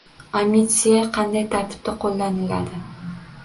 Amnistiya qanday tartibda qo‘llaniladi?